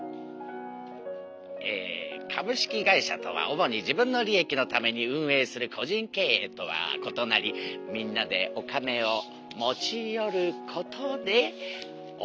え株式会社とは主に自分の利益のために運営する個人経営とはことなりみんなでお金を持ち寄ることで大きなお金を生み出し